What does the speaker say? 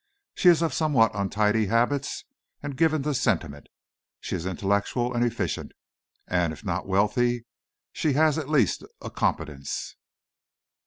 She is of somewhat untidy habits and given to sentiment. She is intellectual and efficient and, if not wealthy, she has at least a competence."